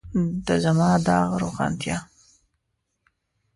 د زما داغ روښانتیا.